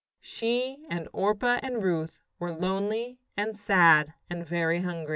She and Orpah and Ruth were lonely and sad and very hungry.